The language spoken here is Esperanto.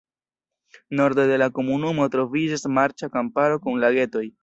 Norde de la komunumo troviĝas marĉa kamparo kun lagetoj.